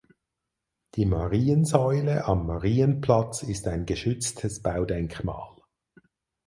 Die Mariensäule am Marienplatz ist ein geschütztes Baudenkmal.